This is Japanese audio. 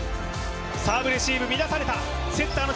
サーブレシーブ、乱された。